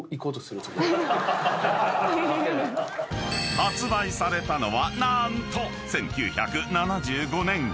［発売されたのは何と１９７５年］